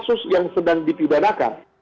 kasus yang sedang dipidanakan